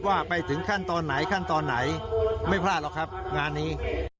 ว่าไปถึงขั้นตอนไหนขั้นตอนไหนไม่พลาดหรอกครับงานนี้